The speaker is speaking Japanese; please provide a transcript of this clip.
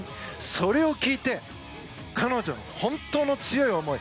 それを聞いて彼女の本当の強い思い